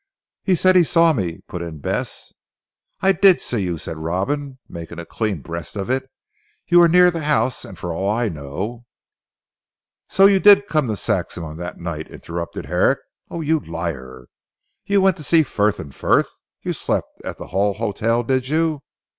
"He said he saw me," put in Bess. "I did see you," said Robin making a clean breast of it. "You were near the house and for all I know " "So you did come to Saxham on that night," interrupted Herrick. "Oh, you liar! You went to see Frith and Frith; you slept at the Hull Hotel, did you?